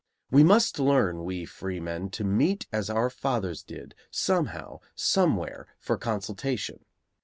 We must learn, we freemen, to meet, as our fathers did, somehow, somewhere, for consultation.